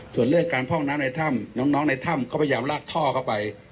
ส่วนเรื่องการพ่องน้ำในถ้ำน้องในถ้ำเขาพยายามลากท่อเข้าไป